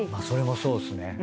それもそうっすね